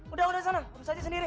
udah udah sana urus aja sendiri